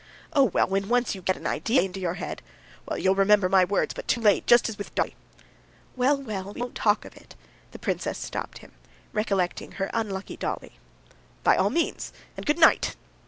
"Oh, well, when once you get an idea into your head!..." "Well, you'll remember my words, but too late, just as with Dolly." "Well, well, we won't talk of it," the princess stopped him, recollecting her unlucky Dolly. "By all means, and good night!"